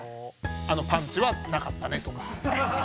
あのパンチはなかったねとか。